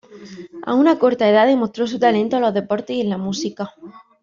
A una corta edad, demostró su talento en los deportes y en la música.